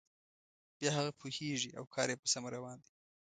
بیا هغه پوهیږي او کار یې په سمه روان دی.